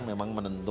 kpu kemudian melihat